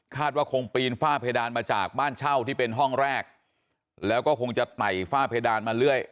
ว่าคงปีนฝ้าเพดานมาจากบ้านเช่าที่เป็นห้องแรกแล้วก็คงจะไต่ฝ้าเพดานมาเรื่อย